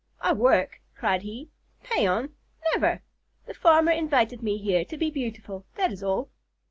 "I work!" cried he. "Paon! Never. The farmer invited me here to be beautiful, that is all."